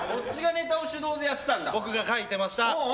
僕が書いてました！